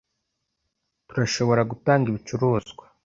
Turashobora gutanga ibicuruzwa